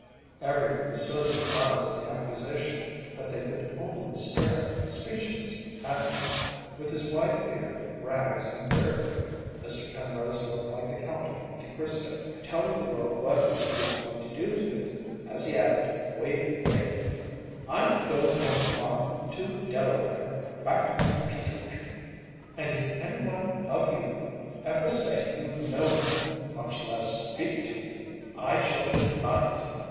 Everyone was so surprised at the accusation that they could only stare, speechless, at him. With his white beard, rags, and bare footed, Mr. Penrose looked like the Count of Monte Cristo telling the world what he was going to do to it as he added, waving the bacon: "I'm going home to morrow to Delaware back to my peach orchard and if any one of you ever say you know me much less speak to me I shall deny it.